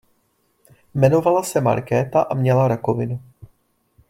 Jmenovala se Markéta a měla rakovinu.